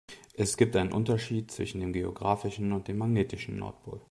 Es gibt einen Unterschied zwischen dem geografischen und dem magnetischen Nordpol.